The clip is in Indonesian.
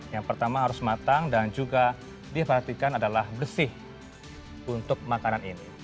yang pertama harus matang dan juga diperhatikan adalah bersih untuk makanan ini